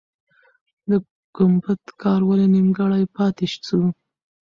د ګمبد کار ولې نیمګړی پاتې سو؟